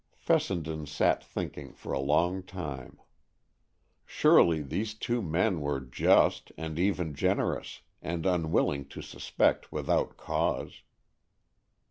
Fessenden sat thinking for a long time. Surely these two men were just and even generous, and unwilling to suspect without cause.